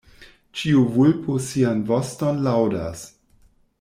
Ĉiu vulpo sian voston laŭdas.